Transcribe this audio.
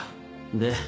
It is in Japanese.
で？